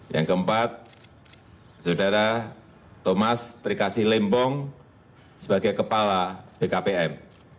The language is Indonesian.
yang keempat saudara thomas trikasi lembong sebagai kepala bkpm